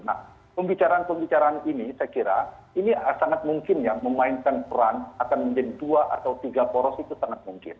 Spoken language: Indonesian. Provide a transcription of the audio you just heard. nah pembicaraan pembicaraan ini saya kira ini sangat mungkin ya memainkan peran akan menjadi dua atau tiga poros itu sangat mungkin